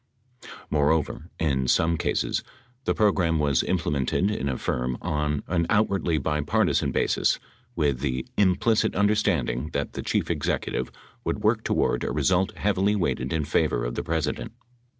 Moreover, in some cases the program was imple mented in a firm on an outwardly bipartisan basis, with the "implicit understanding that the Chief Executive would work toward a result heavily weighted in favor of the President."